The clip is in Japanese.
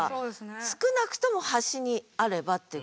少なくとも端にあればっていうこと。